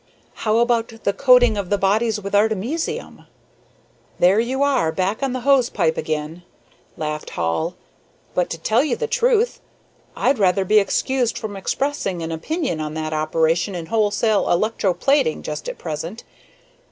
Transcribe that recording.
"How about the coating of the bodies with artemisium?" "There you are back on the hose pipe again," laughed Hall. "But, to tell you the truth, I'd rather be excused from expressing an opinion on that operation in wholesale electro plating just at present.